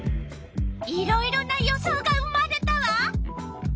いろいろな予想が生まれたわ。